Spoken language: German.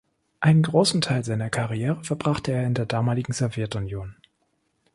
Einen großen Teil seiner Karriere verbrachte er in der damaligen Sowjetunion.